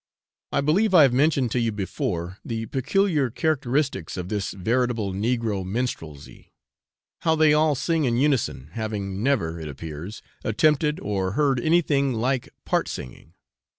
I believe I have mentioned to you before the peculiar characteristics of this veritable negro minstrelsy how they all sing in unison, having never, it appears, attempted or heard anything like part singing.